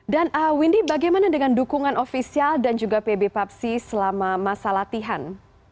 dan windy bagaimana dengan dukungan ofisial dan juga pb papsi selama masa latihan